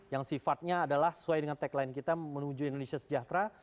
yang sifatnya adalah sesuai dengan tagline kita menuju indonesia sejahtera